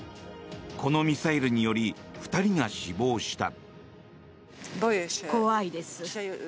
このミサイルにより２人が死亡した。